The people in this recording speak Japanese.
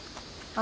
あ